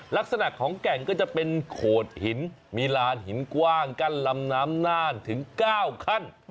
ลักษณะของแก่งก็จะเป็นโขดหินมีลานหินกว้างกั้นลำน้ำน่านถึง๙ขั้น